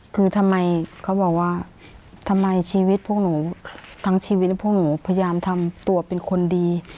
คือทำไมเขาบอกว่าทำไมชีวิตพวกหนูทั้งชีวิตพวกหนูพยายามทำตัวเป็นคนดี